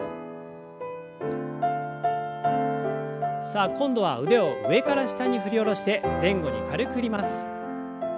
さあ今度は腕を上から下に振り下ろして前後に軽く振ります。